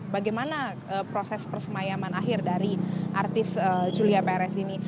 bagaimana proses persemayaman akhir dari artis julia perez ini